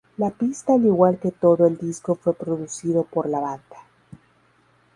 La pista al igual que todo el disco fue producido por la banda.